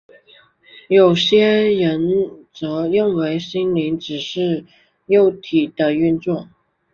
有些人则认为心灵只是肉体的运作。